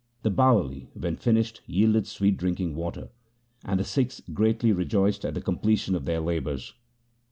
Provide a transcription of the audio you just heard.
The Bawali when finished yielded sweet drinking water, and the Sikhs greatly rejoiced at the comple tion of their labours.